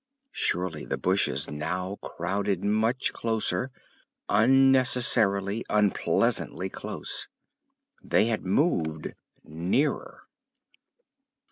Surely the bushes now crowded much closer—unnecessarily, unpleasantly close. _They had moved nearer.